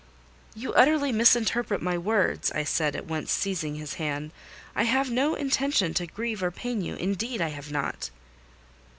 "You utterly misinterpret my words," I said, at once seizing his hand: "I have no intention to grieve or pain you—indeed, I have not."